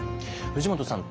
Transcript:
藤本さん